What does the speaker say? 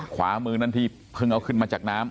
ขวามือนั้นที่เพิ่งเอาขึ้นมาจากน้ำ